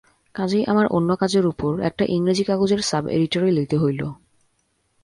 কাজেই আমার অন্য কাজের উপর একটা ইংরেজি কাগজের সাব-এডিটারি লইতে হইল।